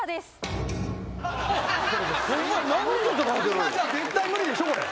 今じゃ絶対無理でしょこれ。